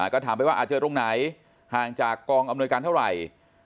ก็ถามไปว่าเจอตรงไหนห่างจากกองอำนวยการเท่าไหร่